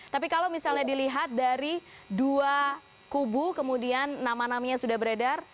tapi kalau misalnya dilihat dari dua kubu kemudian nama namanya sudah beredar